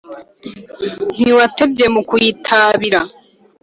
Ntiwatebye mu kuyitabira